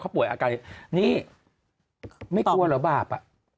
เขาป่วยอาการนี้นี่ไม่กลัวเหรอบาป